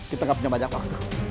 kita gak punya banyak waktu